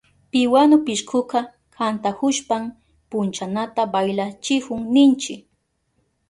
Piwanu pishkuka kantahushpan punchanata baylachihun ninchi.